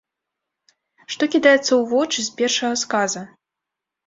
Што кідаецца ў вочы з першага сказа?